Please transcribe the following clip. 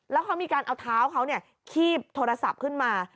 แล้วเขามีการเอาเท้าเขาคีบโทรศัพท์ขึ้นมา